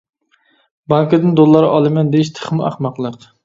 بانكىدىن دوللار ئالىمەن دېيىش تېخىمۇ ئەخمەقلىق.